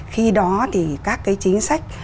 khi đó thì các cái chính sách